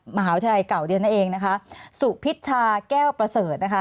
มหาวิทยาลัยเก่าเดือนนั่นเองนะคะสุพิชชาแก้วประเสริฐนะคะ